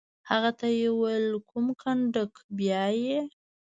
هغه ته یې وویل: کوم کنډک؟ بیا یې.